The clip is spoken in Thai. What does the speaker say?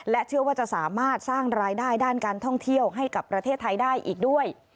เชื่อว่าจะสามารถสร้างรายได้ด้านการท่องเที่ยวให้กับประเทศไทยได้อีกด้วย